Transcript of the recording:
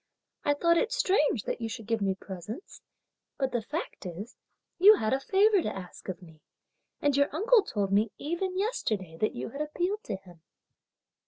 I thought it strange that you should give me presents; but the fact is you had a favour to ask of me; and your uncle told me even yesterday that you had appealed to him!"